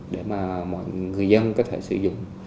để mà người dân có thể sử dụng